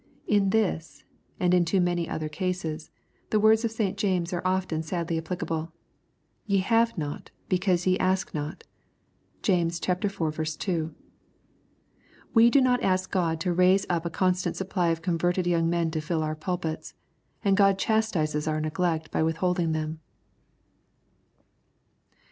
In this, and in too many other cases, the words of St. James are often sadly applicable, "Ye have not, because ye ask not." (James iv. 2.) We do not ask God to raise up a con stant supply of converted young men to fill our pulpits, and God chastises our neglect by withholding them.